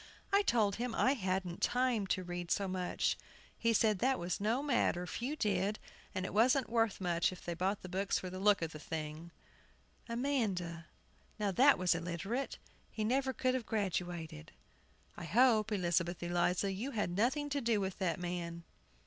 I told him I hadn't time to read so much. He said that was no matter, few did, and it wasn't much worth it they bought books for the look of the thing. AMANDA. Now, that was illiterate; he never could have graduated. I hope, Elizabeth Eliza, you had nothing to do with that man.